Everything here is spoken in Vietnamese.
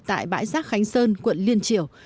tại bãi giác khánh sơn quận liên triểu